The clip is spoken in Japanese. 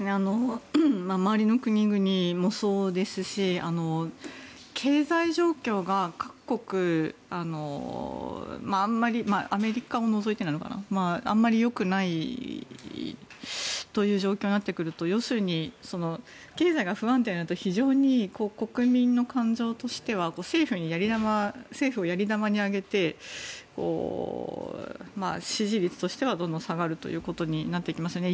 周りの国々もそうですし経済状況が各国、あんまりアメリカを除いてなのかなあんまりよくないという状況になってくると要するに経済が不安定だと非常に国民の感情としては政府をやり玉に挙げて支持率としてはどんどん下がるということになっていきますよね。